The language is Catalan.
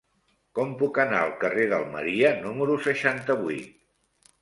Com puc anar al carrer d'Almeria número seixanta-vuit?